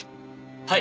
はい。